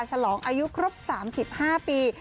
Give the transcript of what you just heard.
ฉลองอายุครบ๓๕ปี